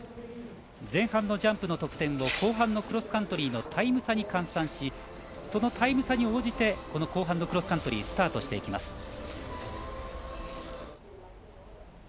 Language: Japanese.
前半のジャンプの得点を後半のクロスカントリーのタイム差に換算しそのタイム差に応じて後半のクロスカントリーをスタートしていきます。